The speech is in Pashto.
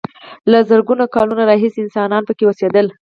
له زرګونو کالونو راهیسې انسانان پکې اوسېدل.